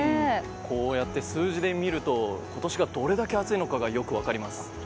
こうやって数字で見ると今年がどれだけ暑いのかがよく分かります。